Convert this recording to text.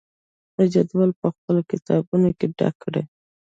د جدول په خپلو کتابچو کې ډک کړئ.